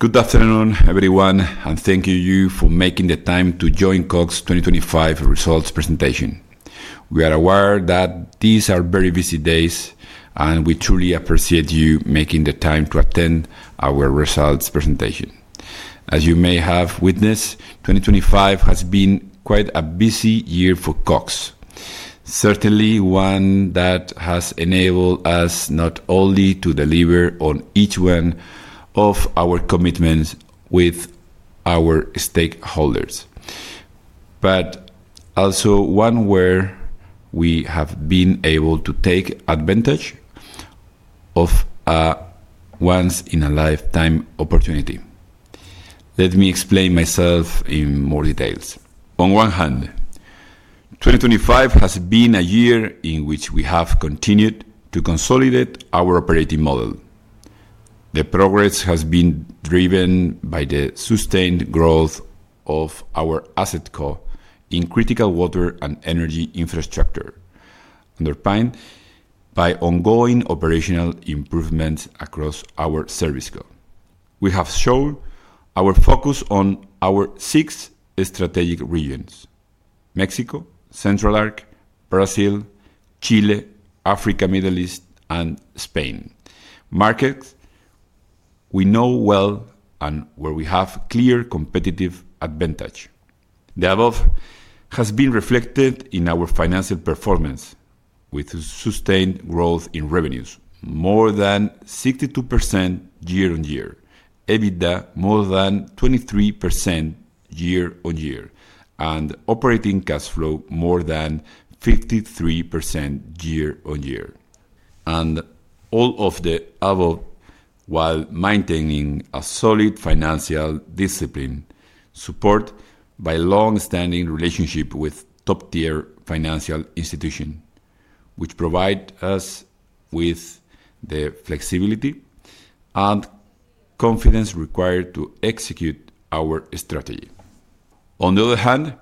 Good afternoon, everyone, and thank you for making the time to join Cox 2025 results presentation. We are aware that these are very busy days, and we truly appreciate you making the time to attend our results presentation. As you may have witnessed, 2025 has been quite a busy year for Cox. Certainly, one that has enabled us not only to deliver on each one of our commitments with our stakeholders, but also one where we have been able to take advantage of a once in a lifetime opportunity. Let me explain myself in more details. On one hand, 2025 has been a year in which we have continued to consolidate our operating model. The progress has been driven by the sustained growth of our AssetCo in critical water and energy infrastructure, underpinned by ongoing operational improvements across our ServiceCo. We have shown our focus on our six strategic regions: Mexico, Central Arc, Brazil, Chile, Africa, Middle East, and Spain. Markets we know well and where we have clear competitive advantage. The above has been reflected in our financial performance, with a sustained growth in revenues, more than 62% year-on-year, EBITDA more than 23% year-on-year, Operating cash flow more than 53% year-on-year. All of the above, while maintaining a solid financial discipline, supported by longstanding relationship with top-tier financial institution, which provide us with the flexibility and confidence required to execute our strategy. On the other hand,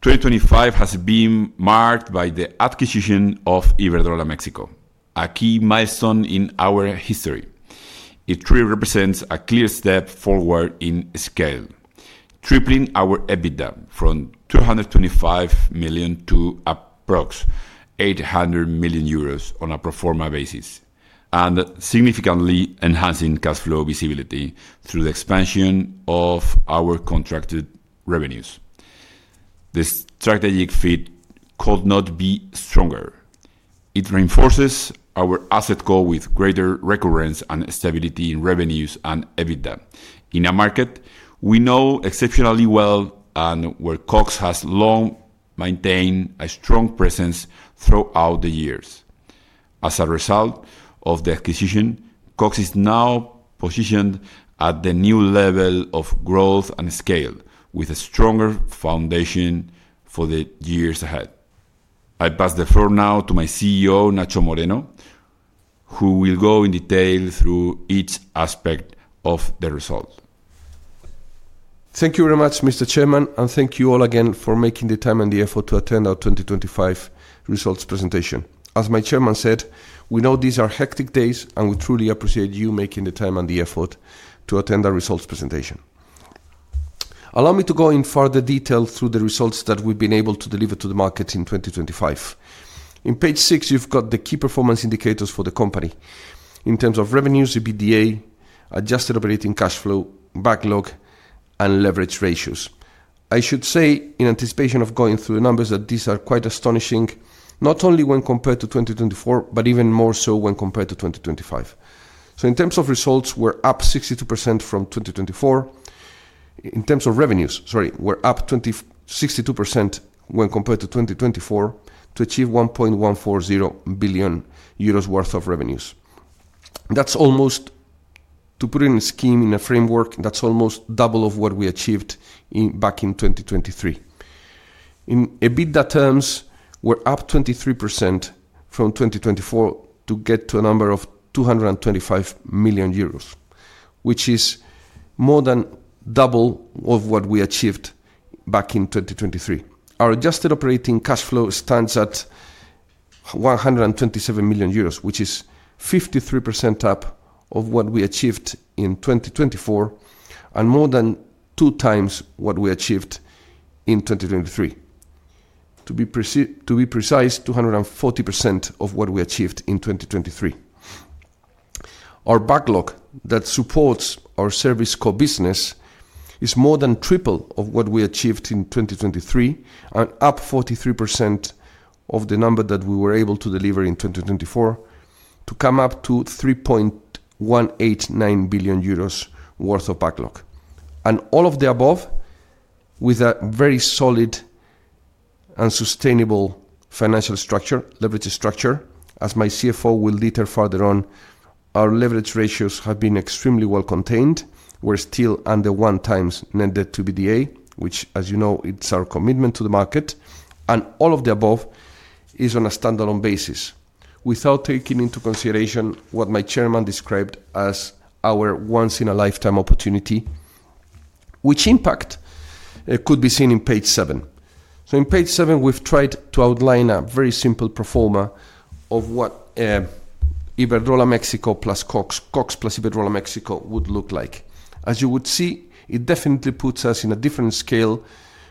2025 has been marked by the acquisition of Iberdrola México, a key milestone in our history. It truly represents a clear step forward in scale, tripling our EBITDA from 225 million to approx 800 million euros on a pro forma basis, and significantly enhancing cash flow visibility through the expansion of our contracted revenues. The strategic fit could not be stronger. It reinforces our asset goal with greater recurrence and stability in revenues and EBITDA. In a market we know exceptionally well and where Cox has long maintained a strong presence throughout the years. As a result of the acquisition, Cox is now positioned at the new level of growth and scale, with a stronger foundation for the years ahead. I pass the floor now to my CEO, Nacho Moreno, who will go in detail through each aspect of the result. Thank you very much, Mr. Chairman, and thank you all again for making the time and the effort to attend our 2025 results presentation. As my chairman said, we know these are hectic days, and we truly appreciate you making the time and the effort to attend our results presentation. Allow me to go in further detail through the results that we've been able to deliver to the market in 2025. In page six, you've got the key performance indicators for the company in terms of revenues, EBITDA, adjusted operating cash flow, backlog, and leverage ratios. I should say, in anticipation of going through the numbers, that these are quite astonishing, not only when compared to 2024, but even more so when compared to 2025. In terms of results, we're up 62% from 2024. In terms of revenues, sorry, we're up 62% when compared to 2024 to achieve 1.140 billion euros worth of revenues. To put it in a scheme, in a framework, that's almost double of what we achieved in, back in 2023. In EBITDA terms, we're up 23% from 2024 to get to a number of 225 million euros, which is more than double of what we achieved back in 2023. Our adjusted operating cash flow stands at 127 million euros, which is 53% up of what we achieved in 2024, and more than 2x what we achieved in 2023. To be precise, 240% of what we achieved in 2023. Our backlog that supports our ServiceCo business is more than triple of what we achieved in 2023 and up 43% of the number that we were able to deliver in 2024, to come up to 3.189 billion euros worth of backlog. All of the above, with a very solid and sustainable financial structure, leverage structure, as my CFO will detail further on, our leverage ratios have been extremely well contained. We're still under 1x net debt to EBITDA, which, as you know, it's our commitment to the market, and all of the above is on a standalone basis. Without taking into consideration what my Chairman described as our once in a lifetime opportunity. Which impact, it could be seen in page seven. In page seven, we've tried to outline a very simple pro forma of what Iberdrola México plus Cox plus Iberdrola México would look like. As you would see, it definitely puts us in a different scale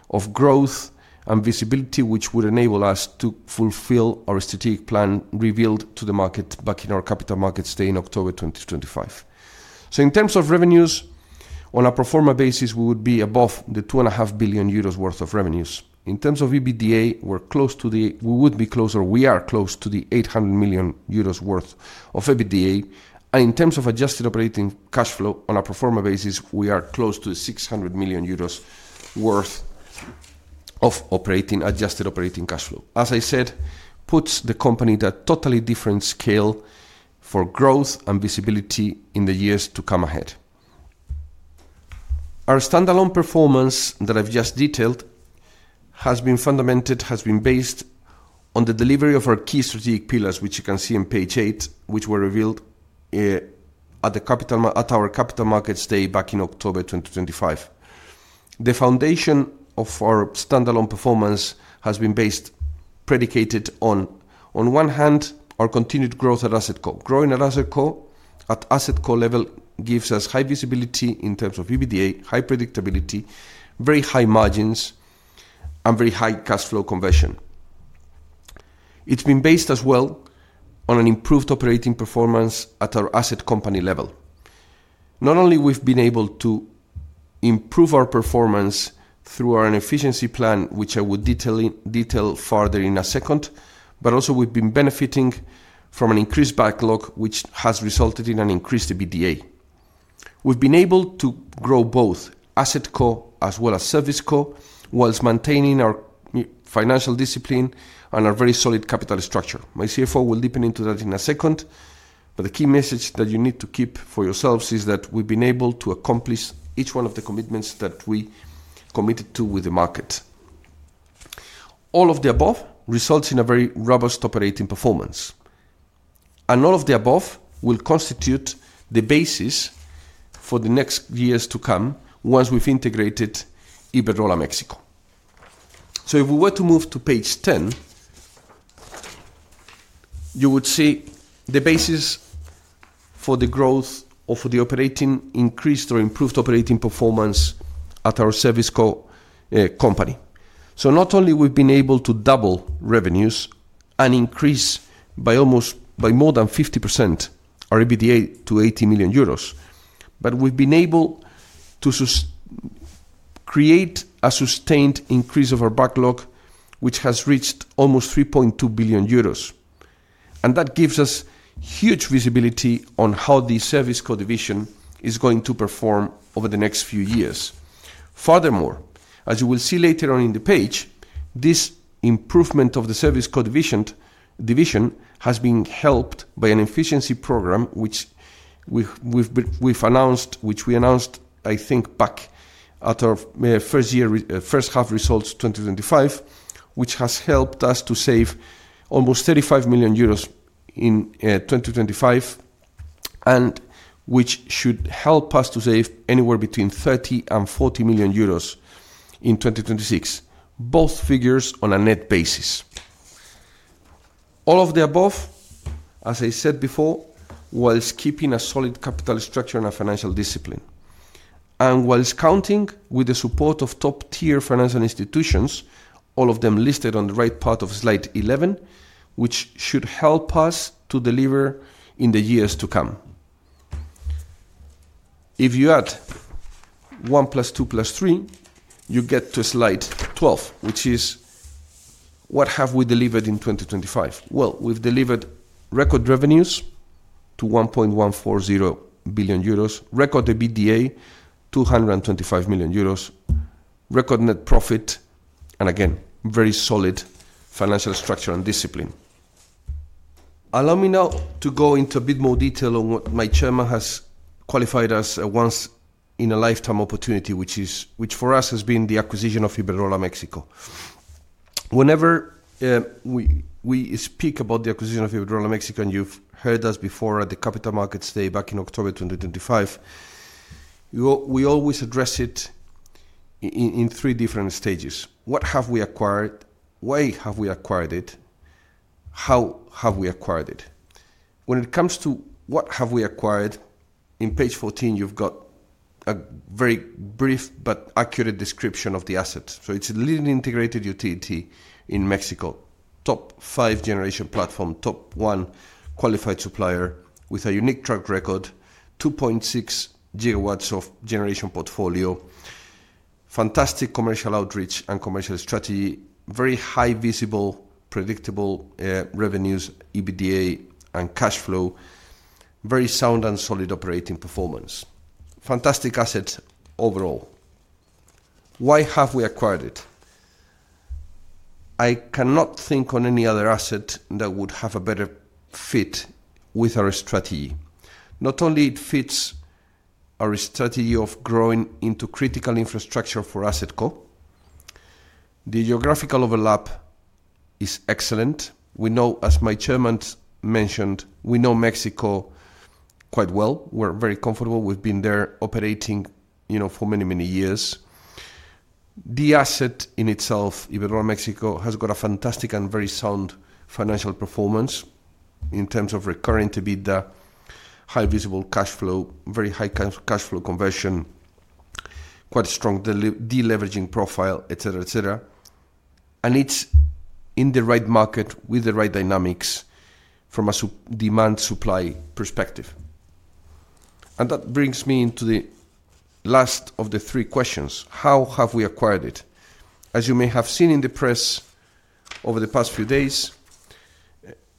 of growth and visibility, which would enable us to fulfill our strategic plan, revealed to the market back in our Capital Markets Day in October 2025. In terms of revenues, on a pro forma basis, we would be above the 2.5 billion euros worth of revenues. In terms of EBITDA, we would be closer, we are close to the 800 million euros worth of EBITDA. In terms of adjusted operating cash flow on a pro forma basis, we are close to 600 million euros worth of adjusted operating cash flow. As I said, puts the company at a totally different scale for growth and visibility in the years to come ahead. Our standalone performance that I've just detailed, has been fundamented, has been based on the delivery of our key strategic pillars, which you can see on page eight, which were revealed at our Capital Markets Day back in October 2025. The foundation of our standalone performance has been based, predicated on one hand, our continued growth at AssetCo. Growing at AssetCo level gives us high visibility in terms of EBITDA, high predictability, very high margins, and very high cash flow conversion. It's been based as well on an improved operating performance at our asset company level. Not only we've been able to improve our performance through our efficiency plan, which I will detail further in a second, but also we've been benefiting from an increased backlog, which has resulted in an increased EBITDA. We've been able to grow both AssetCo as well as ServiceCo, whilst maintaining our financial discipline and a very solid capital structure. My CFO will deepen into that in a second, but the key message that you need to keep for yourselves is that we've been able to accomplish each one of the commitments that we committed to with the market. All of the above results in a very robust operating performance. All of the above will constitute the basis for the next years to come once we've integrated Iberdrola México. If we were to move to page 10, you would see the basis for the growth or for the operating increase or improved operating performance at our ServiceCo company. Not only we've been able to double revenues and increase by almost, by more than 50% our EBITDA to 80 million euros, but we've been able to create a sustained increase of our backlog, which has reached almost 3.2 billion euros. That gives us huge visibility on how the ServiceCo division is going to perform over the next few years. Furthermore, as you will see later on in the page, this improvement of the ServiceCo division has been helped by an efficiency program, which we announced, I think, back at our first half results, 2025, which has helped us to save almost 35 million euros in 2025, and which should help us to save anywhere between 30 and 40 million in 2026, both figures on a net basis. All of the above, as I said before, whilst keeping a solid capital structure and a financial discipline, and whilst counting with the support of top-tier financial institutions, all of them listed on the right part of slide 11, which should help us to deliver in the years to come. If you add 1 + 2 + 3, you get to slide 12, which is: What have we delivered in 2025? We've delivered record revenues to 1.140 billion euros, record EBITDA, 225 million euros, record net profit, and again, very solid financial structure and discipline. Allow me now to go into a bit more detail on what my chairman has qualified as a once-in-a-lifetime opportunity, which for us has been the acquisition of Iberdrola México. We speak about the acquisition of Iberdrola México, and you've heard us before at the Capital Markets Day back in October 2025, we always address it in three different stages. What have we acquired? Why have we acquired it? How have we acquired it? When it comes to what have we acquired, in page 14, you've got a very brief but accurate description of the asset. It's a leading integrated utility in Mexico, top five generation platform, top one qualified supplier with a unique track record, 2.6 GW of generation portfolio, fantastic commercial outreach and commercial strategy, very high visible, predictable revenues, EBITDA, and cash flow, very sound and solid operating performance. Fantastic asset overall. Why have we acquired it? I cannot think on any other asset that would have a better fit with our strategy. Not only it fits our strategy of growing into critical infrastructure for AssetCo. The geographical overlap is excellent. We know, as my chairman mentioned, Mexico quite well. We're very comfortable. We've been there operating, you know, for many years. The asset in itself, Iberdrola México, has got a fantastic and very sound financial performance in terms of recurring EBITDA, high visible cash flow, very high cash flow conversion, quite a strong deleveraging profile, et cetera, et cetera. It's in the right market with the right dynamics from a demand-supply perspective. That brings me into the last of the three questions: How have we acquired it? As you may have seen in the press over the past few days,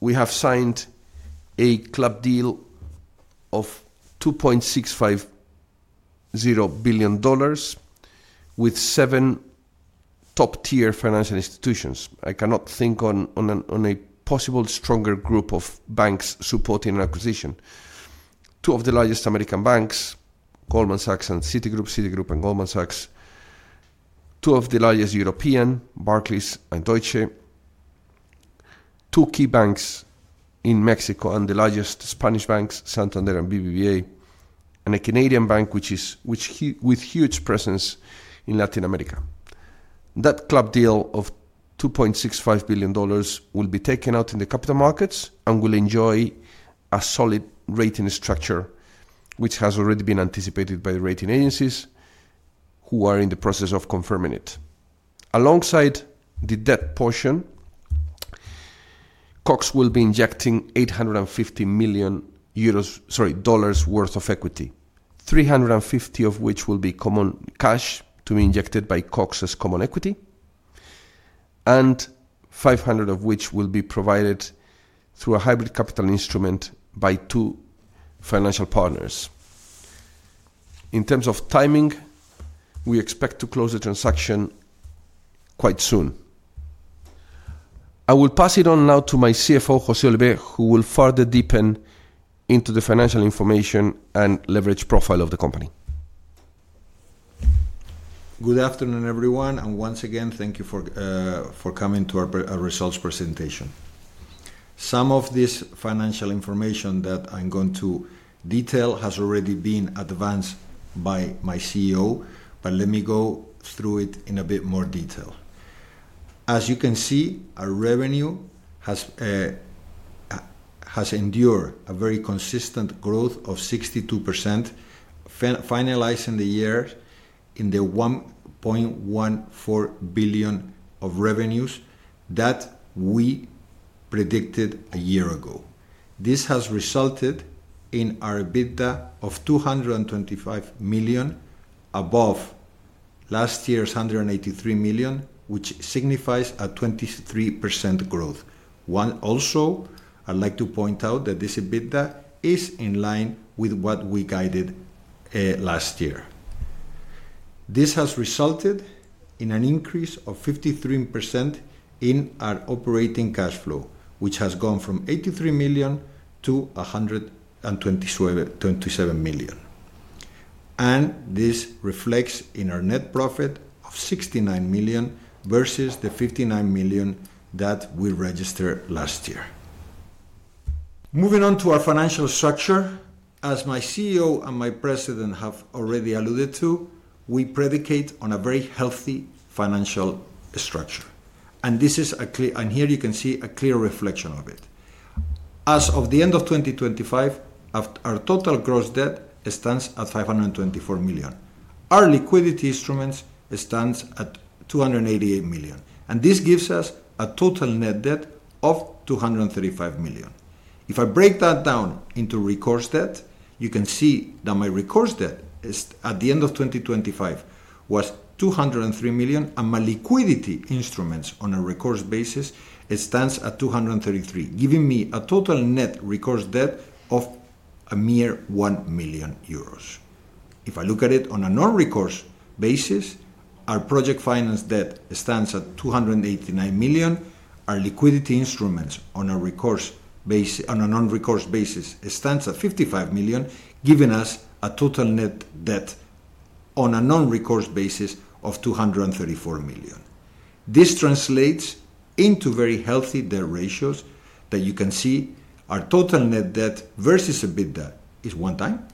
we have signed a club deal of $2.650 billion with seven top-tier financial institutions. I cannot think on a possible stronger group of banks supporting an acquisition. Two of the largest American banks, Goldman Sachs and Citigroup and Goldman Sachs. Two of the largest European, Barclays and Deutsche. Two key banks in Mexico, the largest Spanish banks, Santander and BBVA, a Canadian bank with huge presence in Latin America. That club deal of $2.65 billion will be taken out in the capital markets and will enjoy a solid rating structure, which has already been anticipated by the rating agencies, who are in the process of confirming it. Alongside the debt portion, Cox will be injecting $850 million worth of equity, 350 of which will be common cash to be injected by Cox as common equity, and 500 of which will be provided through a hybrid capital instrument by two financial partners. In terms of timing, we expect to close the transaction quite soon. I will pass it on now to my CFO, Jose Olive, who will further deepen into the financial information and leverage profile of the company. Good afternoon, everyone, once again, thank you for coming to our results presentation. Some of this financial information that I'm going to detail has already been advanced by my CEO, let me go through it in a bit more detail. As you can see, our revenue has endured a very consistent growth of 62%, finalizing the year in the 1.14 billion of revenues that we predicted a year ago. This has resulted in our EBITDA of 225 million, above last year's 183 million, which signifies a 23% growth. One also, I'd like to point out that this EBITDA is in line with what we guided last year. This has resulted in an increase of 53% in our operating cash flow, which has gone from 83 million-127 million. This reflects in our net profit of 69 million versus the 59 million that we registered last year. Moving on to our financial structure, as my CEO and my President have already alluded to, we predicate on a very healthy financial structure, here you can see a clear reflection of it. As of the end of 2025, our total gross debt stands at 524 million. Our liquidity instruments stands at 288 million, this gives us a total net debt of 235 million. If I break that down into recourse debt, you can see that my recourse debt is, at the end of 2025, was 203 million, and my liquidity instruments on a recourse basis, it stands at 233 million, giving me a total net recourse debt of a mere 1 million euros. If I look at it on a non-recourse basis, our project finance debt stands at 289 million. Our liquidity instruments on a non-recourse basis, it stands at 55 million, giving us a total net debt on a non-recourse basis of 234 million. This translates into very healthy debt ratios that you can see our total net debt versus EBITDA is one time,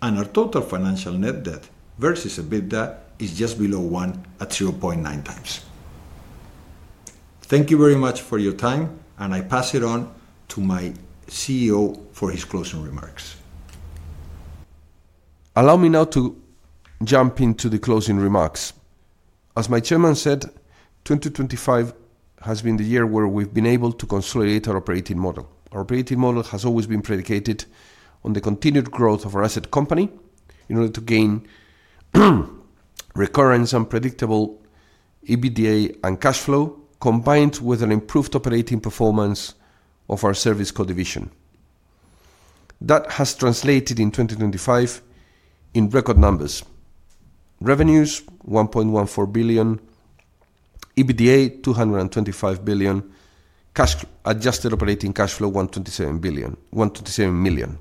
and our total financial net debt versus EBITDA is just below one at 0.9x. Thank you very much for your time, and I pass it on to my CEO for his closing remarks. Allow me now to jump into the closing remarks. As my chairman said, 2025 has been the year where we've been able to consolidate our operating model. Our operating model has always been predicated on the continued growth of our AssetCo in order to gain recurrence and predictable EBITDA and cash flow, combined with an improved operating performance of our ServiceCo division. That has translated in 2025 in record numbers. Revenues, 1.14 billion. EBITDA, 225 billion. adjusted operating cash flow, 127 million.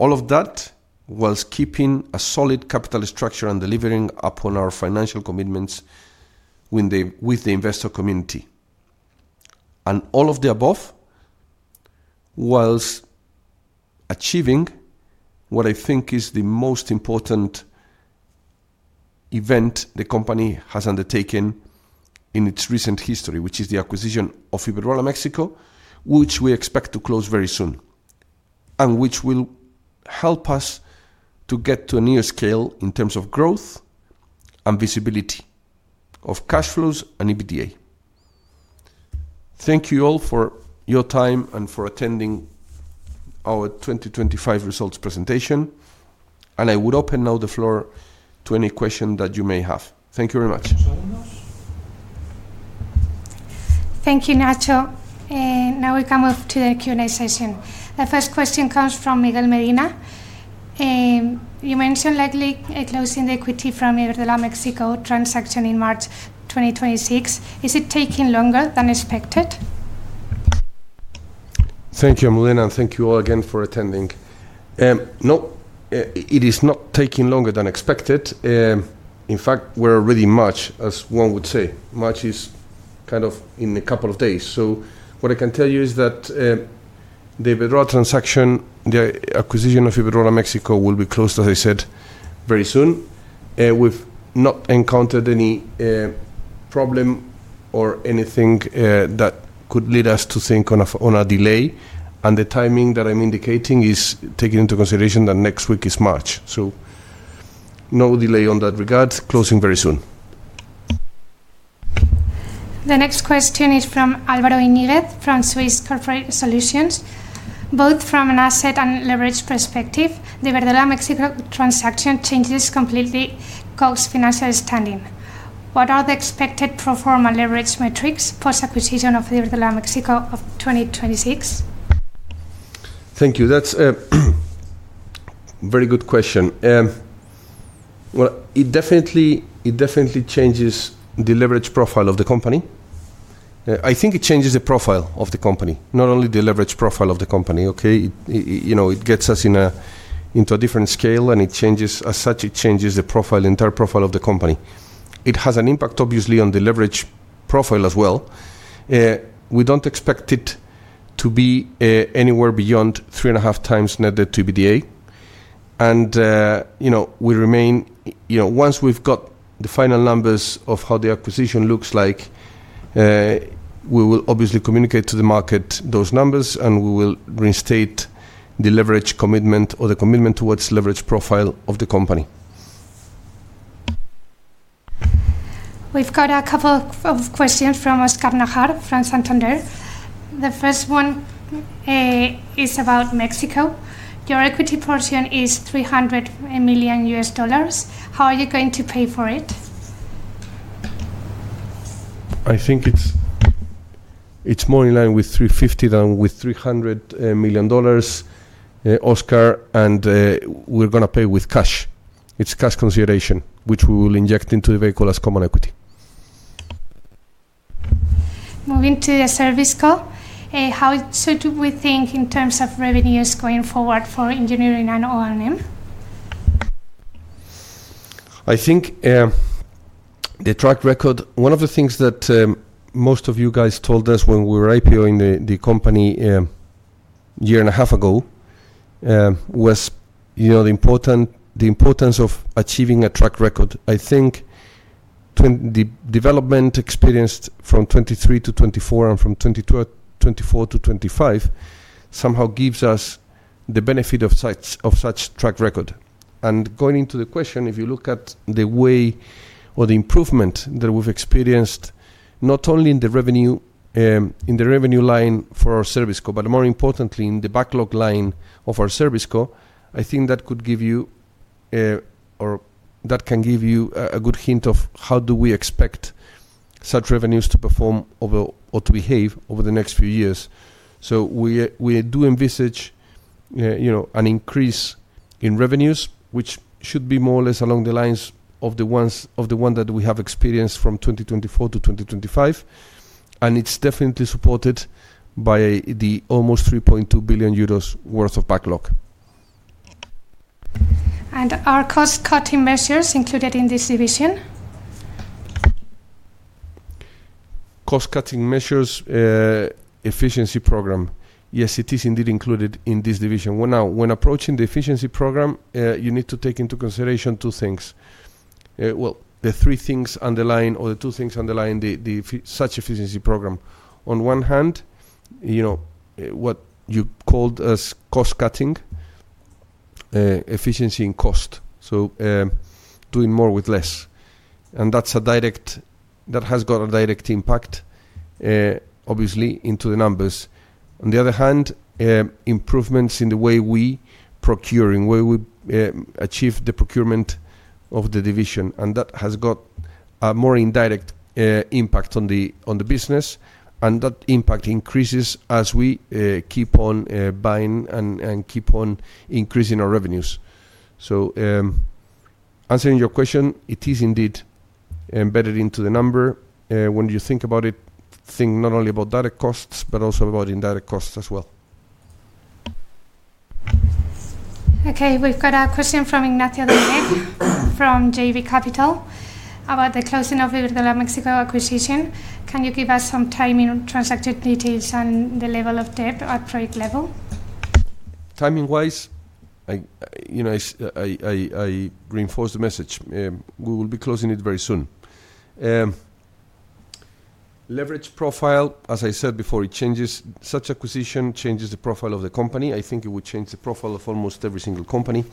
All of that whilst keeping a solid capital structure and delivering upon our financial commitments with the investor community. All of the above, whilst achieving what I think is the most important event the company has undertaken in its recent history, which is the acquisition of Iberdrola México, which we expect to close very soon, and which will help us to get to a new scale in terms of growth and visibility of cash flows and EBITDA. Thank you all for your time and for attending our 2025 results presentation, and I would open now the floor to any question that you may have. Thank you very much. Thank you, Nacho. Now we come up to the Q&A session. The first question comes from Miguel Medina. You mentioned likely closing the equity from Iberdrola México transaction in March 2026. Is it taking longer than expected? Thank you, Medina. Thank you all again for attending. No, it is not taking longer than expected. In fact, we're already March, as one would say. March is kind of in a couple of days. What I can tell you is that the Iberdrola transaction, the acquisition of Iberdrola México, will be closed, as I said, very soon. We've not encountered any problem or anything that could lead us to think on a delay. The timing that I'm indicating is taking into consideration that next week is March. No delay on that regard. Closing very soon. The next question is from Álvaro Íñiguez from Swiss Re Corporate Solutions. Both from an asset and leverage perspective, the Iberdrola México transaction changes completely Cox's financial standing. What are the expected pro forma leverage metrics, post-acquisition of Iberdrola México of 2026? Thank you. That's a very good question. Well, it definitely changes the leverage profile of the company. I think it changes the profile of the company, not only the leverage profile of the company, okay? You know, it gets us into a different scale. As such, it changes the profile, the entire profile of the company. It has an impact, obviously, on the leverage profile as well. We don't expect it to be anywhere beyond 3.5x net debt to EBITDA. You know, we remain... You know, once we've got the final numbers of how the acquisition looks like, we will obviously communicate to the market those numbers, and we will reinstate the leverage commitment or the commitment towards leverage profile of the company. We've got a couple of questions from Oscar Najar from Santander. The first one is about Mexico. Your equity portion is $300 million. How are you going to pay for it? I think it's more in line with $350 million than with $300 million, Oscar. We're gonna pay with cash. It's cash consideration, which we will inject into the vehicle as common equity. Moving to the ServiceCo. How so do we think in terms of revenues going forward for engineering and O&M? I think, the track record. One of the things that most of you guys told us when we were IPO-ing the company a year and a half ago, was, you know, the importance of achieving a track record. I think the development experienced from 2023 to 2024 and from 2024 to 2025, somehow gives us the benefit of such track record. Going into the question, if you look at the way or the improvement that we've experienced, not only in the revenue, in the revenue line for our ServiceCo, but more importantly in the backlog line of our ServiceCo, I think that could give you or that can give you a good hint of how do we expect such revenues to perform over or to behave over the next few years. We do envisage, you know, an increase in revenues, which should be more or less along the lines of the one that we have experienced from 2024 to 2025. It's definitely supported by the almost 3.2 billion euros worth of backlog. Are cost-cutting measures included in this division? Cost-cutting measures, efficiency program? Yes, it is indeed included in this division. Well, now, when approaching the efficiency program, you need to take into consideration two things. Well, the three things underlying or the two things underlying the efficiency program. On one hand, you know, what you called as cost cutting, efficiency in cost, so, doing more with less. That has got a direct impact, obviously, into the numbers. On the other hand, improvements in the way we procure, in way we achieve the procurement of the division, and that has got a more indirect impact on the business, and that impact increases as we keep on buying and keep on increasing our revenues. Answering your question, it is indeed embedded into the number. When you think about it, think not only about data costs, but also about indirect costs as well. Okay, we've got a question from Ignacio Domecq from JB Capital about the closing of the Iberdrola México acquisition. Can you give us some timing on transaction details and the level of debt at project level? Timing-wise, I, you know, I reinforce the message. We will be closing it very soon. Leverage profile, as I said before, it changes. Such acquisition changes the profile of the company. I think it would change the profile of almost every single company.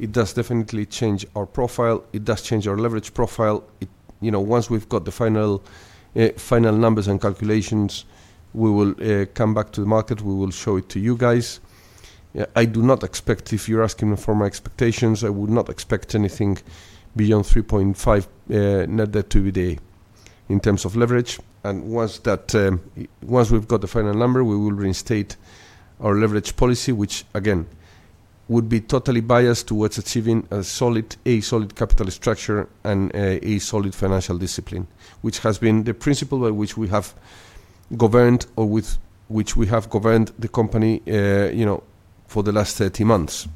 It does definitely change our profile. It does change our leverage profile. You know, once we've got the final numbers and calculations, we will come back to the market, we will show it to you guys. I do not expect, if you're asking for my expectations, I would not expect anything beyond 3.5 net debt-to-EBITDA in terms of leverage. Once that, once we've got the final number, we will reinstate our leverage policy, which, again, would be totally biased towards achieving a solid capital structure and a solid financial discipline, which has been the principle by which we have governed or with which we have governed the company, you know, for the last 30 months.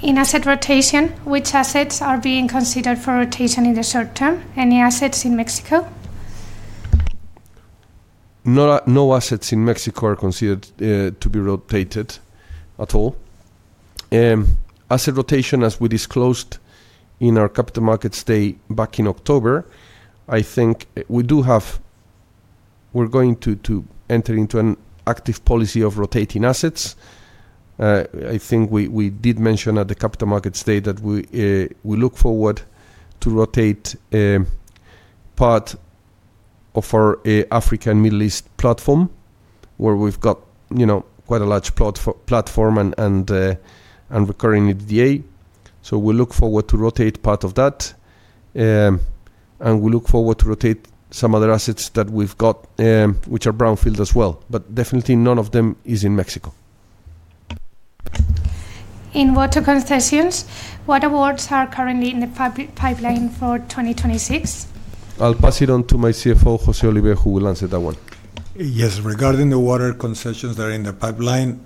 In asset rotation, which assets are being considered for rotation in the short term? Any assets in Mexico? No no assets in Mexico are considered to be rotated at all. Asset rotation, as we disclosed in our Capital Markets Day back in October, I think, we're going to enter into an active policy of rotating assets. I think we did mention at the Capital Markets Day that we look forward to rotate part of our African Middle East platform, where we've got, you know, quite a large platform and recurring EBITDA. We look forward to rotate part of that. We look forward to rotate some other assets that we've got, which are brownfield as well, but definitely none of them is in Mexico. In water concessions, what awards are currently in the pipeline for 2026? I'll pass it on to my CFO, Jose Olive, who will answer that one. Yes, regarding the water concessions that are in the pipeline,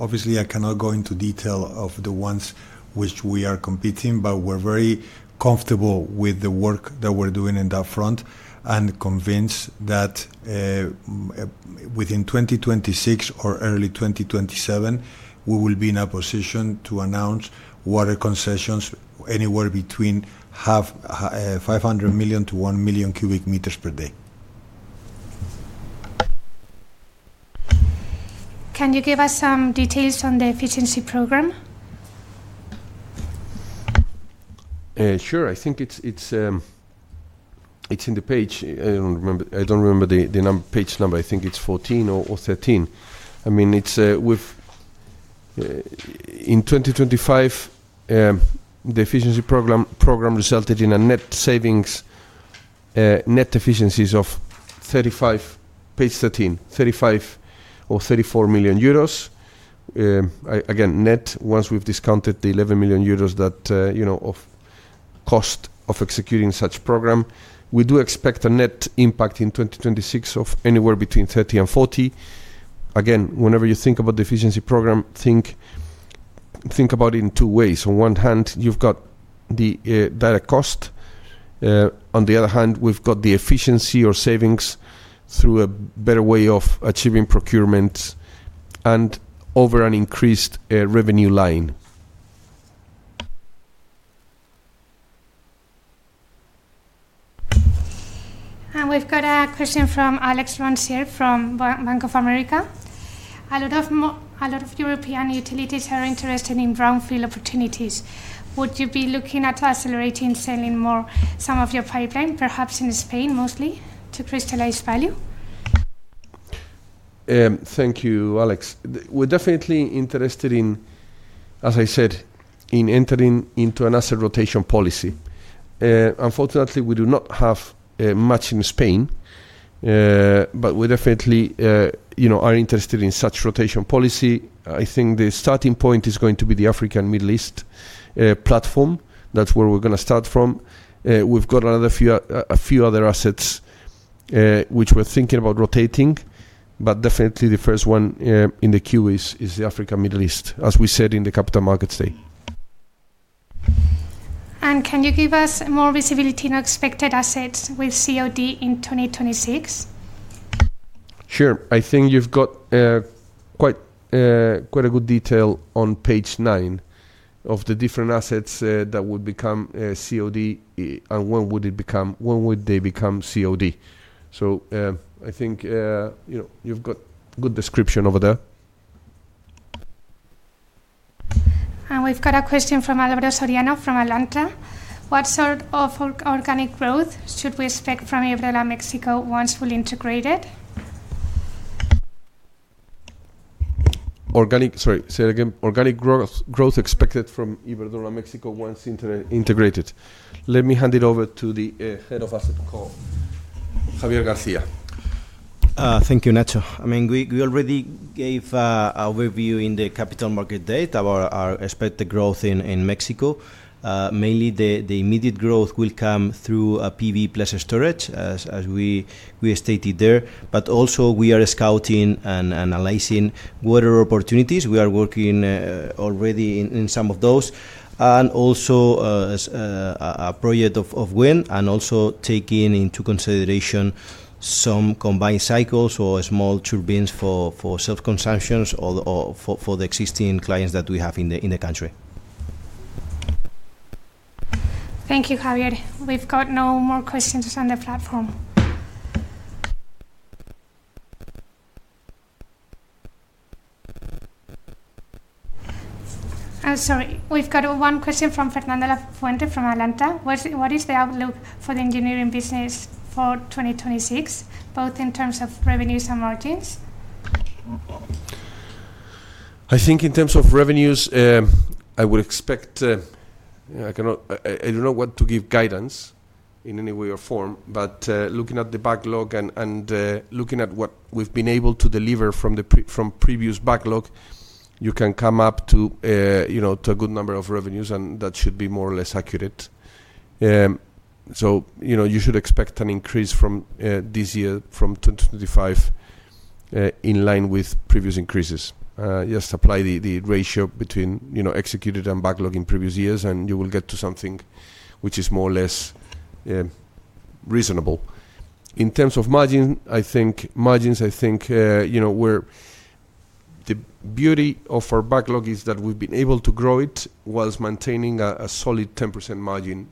obviously, I cannot go into detail of the ones which we are competing, but we're very comfortable with the work that we're doing in that front, and convinced that, within 2026 or early 2027, we will be in a position to announce water concessions anywhere between half, 500 million to 1 million cubic meters per day. Can you give us some details on the efficiency program? Sure. I think it's in the page. I don't remember, I don't remember the page number. I think it's 14 or 13. I mean, it's with... In 2025, the efficiency program resulted in a net savings, net efficiencies of 35, page 13, 35 or 34 million. Again, net, once we've discounted the 11 million euros that, you know, of cost of executing such program. We do expect a net impact in 2026 of anywhere between 30 and 40. Again, whenever you think about the efficiency program, think about it in two ways. On one hand, you've got the data cost. On the other hand, we've got the efficiency or savings through a better way of achieving procurement and over an increased revenue line. We've got a question from Alex Roncier from Bank of America. A lot of European utilities are interested in brownfield opportunities. Would you be looking at accelerating selling more some of your pipeline, perhaps in Spain, mostly, to crystallize value? Thank you, Alex. We're definitely interested in, as I said, in entering into an asset rotation policy. Unfortunately, we do not have much in Spain, but we definitely, you know, are interested in such rotation policy. I think the starting point is going to be the African Middle East platform. That's where we're gonna start from. We've got another few, a few other assets, which we're thinking about rotating, but definitely the first one in the queue is the African Middle East, as we said in the Capital Markets Day. Can you give us more visibility on expected assets with COD in 2026? Sure. I think you've got, quite a good detail on page nine of the different assets, that would become COD, and when would they become COD. I think, you know, you've got good description over there. We've got a question from Álvaro Soriano, from Alantra: What sort of organic growth should we expect from Iberdrola México once fully integrated? Organic growth expected from Iberdrola México once integrated. Let me hand it over to the head of AssetCo, Javier García. Thank you, Nacho. I mean, we already gave an overview in the Capital Markets Day about our expected growth in Mexico. Mainly the immediate growth will come through PV plus storage, as we stated there. Also, we are scouting and analyzing water opportunities. We are working already in some of those. Also, as a project of wind, and also taking into consideration some combined cycles or small turbines for self-consumptions or for the existing clients that we have in the country. Thank you, Javier. We've got no more questions on the platform. Sorry, we've got one question from Fernando Lafuente, from Alantra: What is the outlook for the engineering business for 2026, both in terms of revenues and margins? I think in terms of revenues, I would expect. I don't know what to give guidance in any way or form, but looking at the backlog and looking at what we've been able to deliver from previous backlog, you can come up to, you know, to a good number of revenues, and that should be more or less accurate. You know, you should expect an increase from this year, from 2025, in line with previous increases. Just apply the ratio between, you know, executed and backlog in previous years, and you will get to something which is more or less reasonable. In terms of margin, I think margins, you know, we're... The beauty of our backlog is that we've been able to grow it while maintaining a solid 10% margin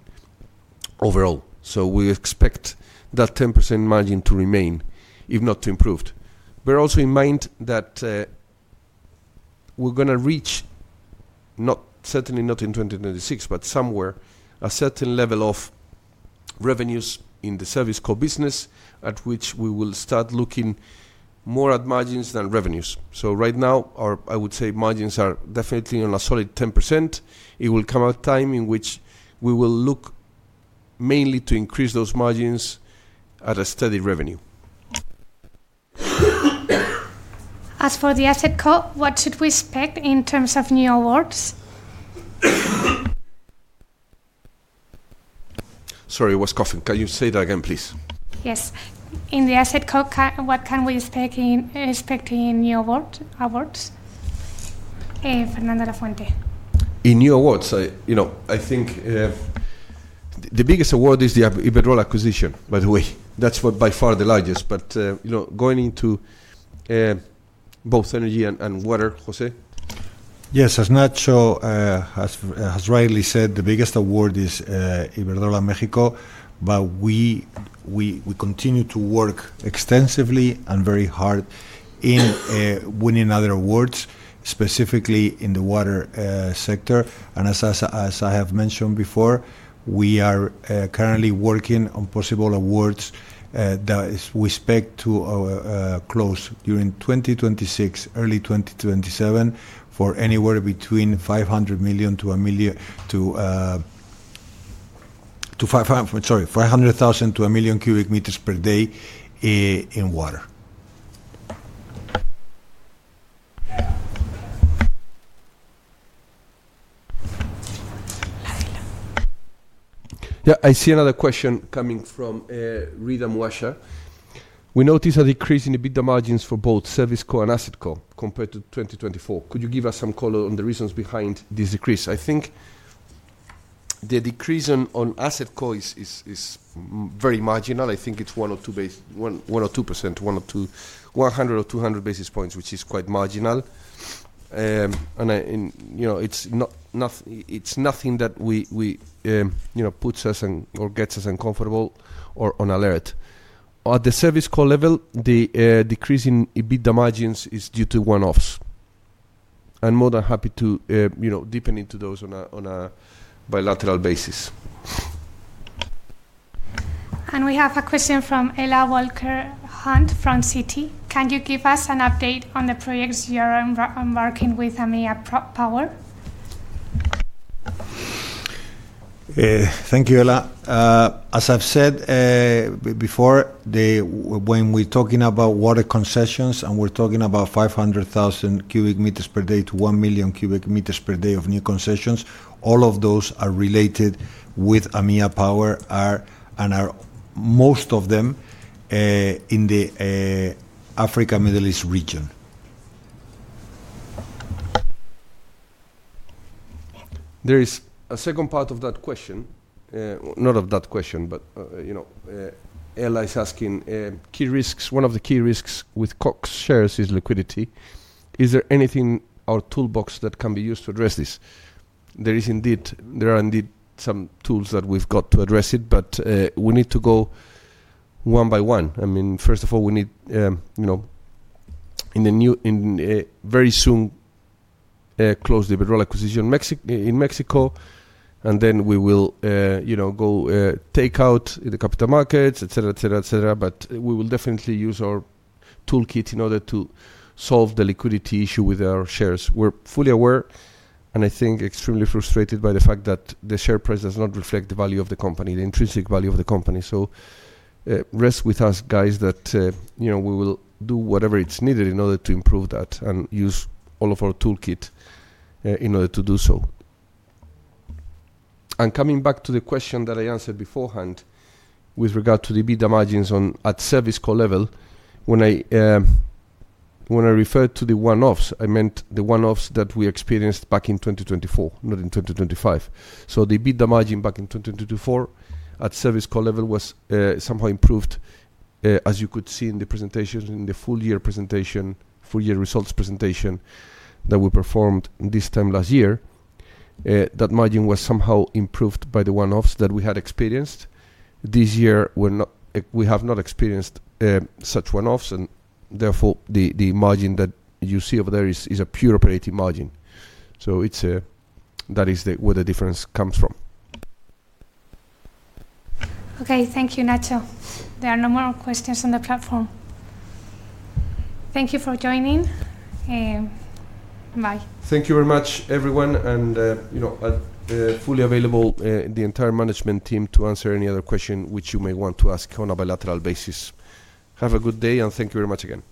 overall. We expect that 10% margin to remain, if not improved. Bear also in mind that we're gonna reach, certainly not in 2026, but somewhere, a certain level of revenues in the service core business, at which we will start looking more at margins than revenues. Right now, our, I would say, margins are definitely on a solid 10%. It will come a time in which we will look mainly to increase those margins at a steady revenue. As for the AssetCo, what should we expect in terms of new awards? Sorry, I was coughing. Can you say that again, please? Yes. In the AssetCo, what can we expect in new awards? Fernando Lafuente. In new awards, I, you know, I think, the biggest award is the Iberdrola acquisition, by the way. That's what, by far, the largest. You know, going into, both energy and water, Jose? Yes, as Nacho has rightly said, the biggest award is Iberdrola México, we continue to work extensively and very hard in winning other awards, specifically in the water sector. As I have mentioned before, we are currently working on possible awards, that is we expect to close during 2026, early 2027, for anywhere between 500 million to 1 million, Sorry, 500,000 to 1 million cubic meters per day in water. I see another question coming from [Riddhi Vashi]: We notice a decrease in the EBITDA margins for both ServiceCo and AssetCo compared to 2024. Could you give us some color on the reasons behind this decrease? I think the decrease on AssetCo is very marginal. I think it's 1 or 2 base... 1% or 2%, 1 or 2, 100 or 200 basis points, which is quite marginal. I, you know, it's not, it's nothing that we, you know, puts us in or gets us uncomfortable or on alert. At the ServiceCo level, the decrease in EBITDA margins is due to one-offs. I'm more than happy to, you know, deepen into those on a bilateral basis. We have a question from Ella Walker-Hunt from Citi: Can you give us an update on the projects you are embarking with AMEA Power? Thank you, Ella. As I've said, before, when we're talking about water concessions, and we're talking about 500,000 cubic meters per day to 1 million cubic meters per day of new concessions, all of those are related with AMEA Power are, and are most of them, in the Africa/Middle East region. There is a second part of that question. Not of that question, but, you know, Ella is asking: Key risks, one of the key risks with Cox shares is liquidity. Is there anything or toolbox that can be used to address this? There are indeed some tools that we've got to address it, but we need to go one by one. I mean, first of all, we need, you know, in the new, very soon, close the Iberdrola acquisition in Mexico, and then we will, you know, go, take out the capital markets, et cetera, et cetera, et cetera. We will definitely use our toolkit in order to solve the liquidity issue with our shares. We're fully aware, and I think extremely frustrated by the fact that the share price does not reflect the value of the company, the intrinsic value of the company. Rest with us, guys, that, you know, we will do whatever it's needed in order to improve that and use all of our toolkit in order to do so. Coming back to the question that I answered beforehand with regard to the EBITDA margins on, at ServiceCo level, when I, when I referred to the one-offs, I meant the one-offs that we experienced back in 2024, not in 2025. The EBITDA margin back in 2024 at ServiceCo level was somehow improved, as you could see in the presentation, in the full year presentation, full year results presentation that we performed this time last year. That margin was somehow improved by the one-offs that we had experienced. This year, we're not, we have not experienced such one-offs, and therefore, the margin that you see over there is a pure operating margin. It's that is where the difference comes from. Okay. Thank you, Nacho. There are no more questions on the platform. Thank you for joining, and bye. Thank you very much, everyone, and, you know, fully available, the entire management team, to answer any other question which you may want to ask on a bilateral basis. Have a good day, and thank you very much again.